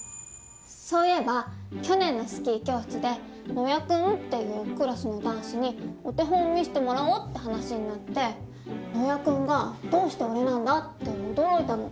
そういえば去年のスキー教室で野矢君っていうクラスの男子にお手本を見せてもらおうって話になって野矢君が「どうして俺なんだ？」って驚いたの。